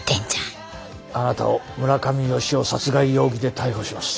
あなたを村上好夫殺害容疑で逮捕します。